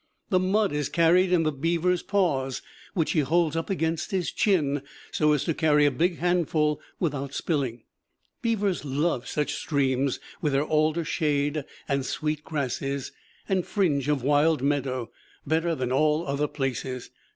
The mud is carried in the beaver's paws, which he holds up against his chin so as to carry a big handful without spilling. Beavers love such streams, with their alder shade and sweet grasses and fringe of wild meadow, better than all other places.